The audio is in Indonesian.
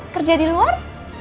kerja di luar